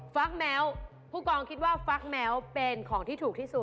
ฟักแม้วผู้กองคิดว่าฟักแม้วเป็นของที่ถูกที่สุด